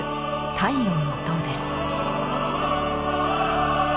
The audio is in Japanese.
「太陽の塔」です。